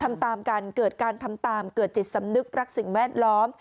ทำตามกันเกิดการทำตามเกิดจิตสำนึกรักสิ่งแวดล้อม